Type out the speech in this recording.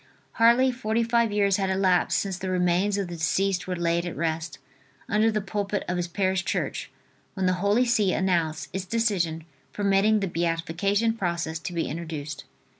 Hardly forty five years had elapsed since the remains of the deceased were laid at rest, under the pulpit of his parish church, when the Holy See announced its decision permitting the beatification process to be introduced.